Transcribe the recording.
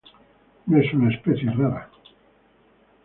No es una especie rara.